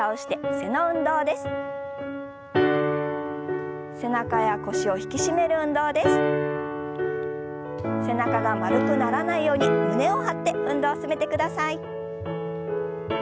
背中が丸くならないように胸を張って運動を進めてください。